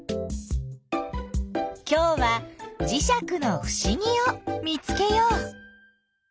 きょうはじしゃくのふしぎを見つけよう。